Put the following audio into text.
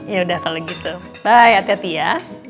yaudah kalau gitu bye hati hati ya